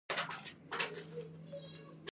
هغه پوه شو چې ډګروال خپله ګیله ده ته کوي